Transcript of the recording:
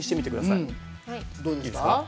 いいですか？